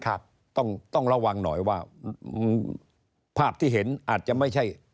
ครับต้องต้องระวังหน่อยว่าภาพที่เห็นอาจจะไม่ใช่